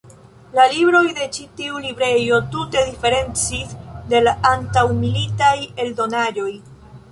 La libroj de ĉi tiu librejo tute diferencis de la antaŭmilitaj eldonaĵoj.